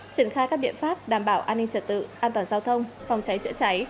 triển khai các biện pháp đảm bảo an ninh trật tự an toàn giao thông phòng cháy chữa cháy